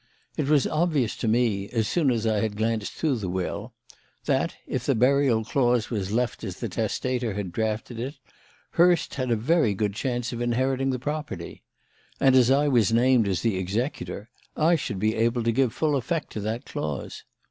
It was obvious to me, as soon as I had glanced through the will, that, if the burial clause was left as the testator had drafted it, Hurst had a very good chance of inheriting the property; and, as I was named as the executor, I should be able to give full effect to that clause.